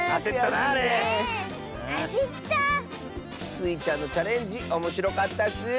スイちゃんのチャレンジおもしろかったッス！